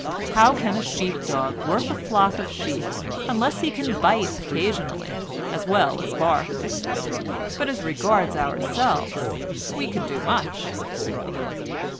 How can a sheep dog work a flock of sheep unless he can bite occasionally as well as bark? But as regards ourselves we can do much."